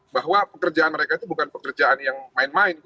bahwa pekerjaan mereka itu bukan pekerjaan yang main main